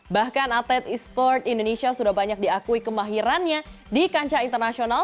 bahkan atlet e sports indonesia sudah banyak diakui kemahirannya di kancah internasional